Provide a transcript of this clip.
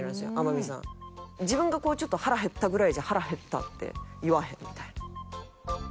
自分がちょっと腹減ったぐらいじゃ腹減ったって言わへんみたいな。